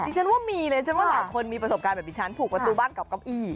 เนี่ยฉันว่ามีเลยชิคกี้พายคุณมีประสบการณ์แบบนี้ฉันผูกกลับประตูบ้านพบกล้าอีก